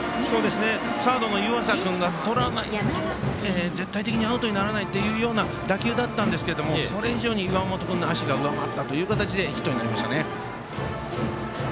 サードの湯浅君が絶対的にアウトにならないというような打球だったんですけどもそれ以上に岩本君の足が上回ったという形でヒットになりましたね。